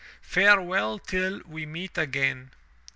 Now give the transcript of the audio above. Farewell till we meet again.'